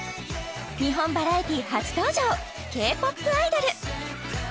バラエティー初登場Ｋ−ＰＯＰアイドル